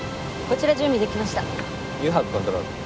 こちら準備できました。